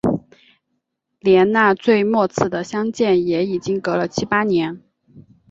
连那最末次的相见也已经隔了七八年